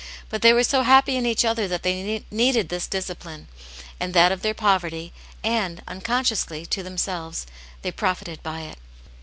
But they were so happy in each other that they needed this discipline and that of their poverty, and, unconsciously to themselves, they profited by it.